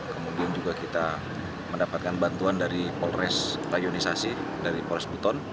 kemudian juga kita mendapatkan bantuan dari polres rayonisasi dari polres buton